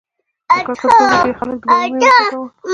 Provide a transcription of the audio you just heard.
د کرکټ لوبې ډېر خلک د برمې و غورځول.